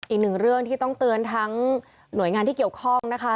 อีกหนึ่งเรื่องที่ต้องเตือนทั้งหน่วยงานที่เกี่ยวข้องนะคะ